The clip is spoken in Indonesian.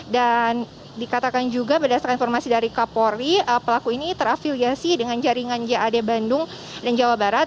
dan dikatakan juga berdasarkan informasi dari kapolri pelaku ini terafiliasi dengan jaringan jad bandung dan jawa barat